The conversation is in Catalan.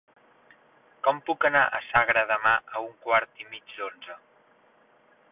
Com puc anar a Sagra demà a un quart i mig d'onze?